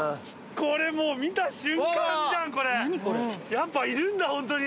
やっぱいるんだホントに！